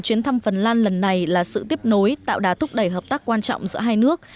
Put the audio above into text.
chuyến thăm phần lan lần này là sự tiếp nối tạo đá thúc đẩy hợp tác quan trọng giữa hai nước